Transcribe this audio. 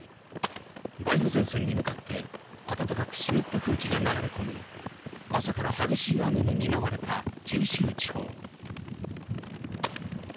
梅雨前線に向かって、暖かく湿った空気が流れ込み、朝から激しい雨に見舞われた九州地方。